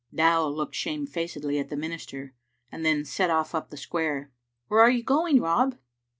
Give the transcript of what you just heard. Dow looked shamefacedly at the minister, and then set ofiE up the square. " Where are you going, Rob?"